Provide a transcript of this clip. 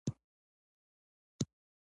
لوګر د مس عینک لرغونی کان لري